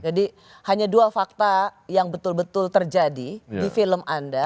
jadi hanya dua fakta yang betul betul terjadi di film anda